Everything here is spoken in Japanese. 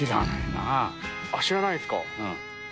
あっ知らないですか？